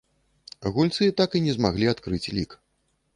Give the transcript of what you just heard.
Гульцы так і не змаглі адкрыць лік.